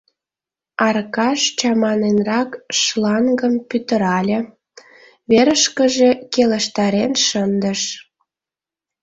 Аркаш чаманенрак шлангым пӱтырале, верышкыже келыштарен шындыш.